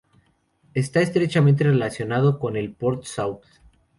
Está estrechamente relacionado con el "port-salut".